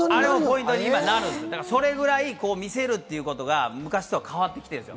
それぐらい見せるということが昔とは変わってきています。